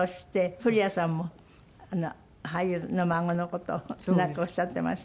古谷さんも俳優の孫の事をなんかおっしゃってました？